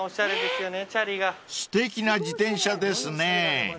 ［すてきな自転車ですね］